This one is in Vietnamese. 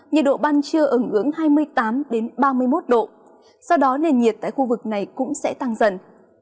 nhiệt độ ban trưa ở ngưỡng hai mươi tám ba mươi một độ sau đó nền nhiệt tại khu vực này cũng sẽ tăng dần